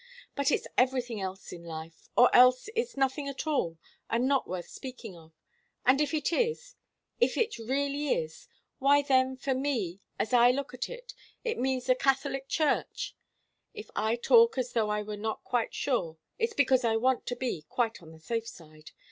But it's everything else in life, or else it's nothing at all and not worth speaking of. And if it is if it really is why then, for me, as I look at it, it means the Catholic Church. If I talk as though I were not quite sure, it's because I want to be quite on the safe side.